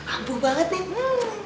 ampuh banget ya